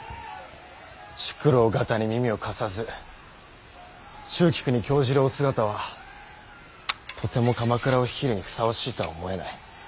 宿老方に耳を貸さず蹴鞠に興じるお姿はとても鎌倉を率いるにふさわしいとは思えない。